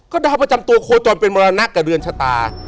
ก็ดาวประจำตัวโคจรเป็นมรณะกับเรือนชะตา